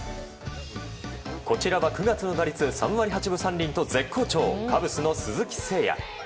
こちらは９月の打率３割８分３厘と絶好調、カブスの鈴木誠也。